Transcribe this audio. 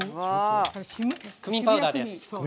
クミンパウダーです。